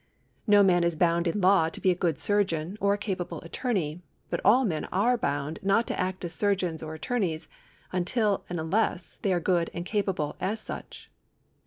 No man is bound in law to be a good siu'geon or a capable attorney, but all men are bound not to act as surgeons or attorneys until and unless they are good and capable as such.